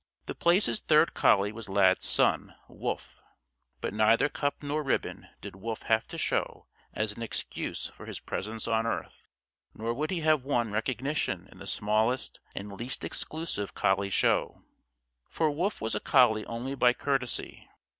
The Place's third collie was Lad's son, Wolf. But neither cup nor ribbon did Wolf have to show as an excuse for his presence on earth, nor would he have won recognition in the smallest and least exclusive collie show. For Wolf was a collie only by courtesy.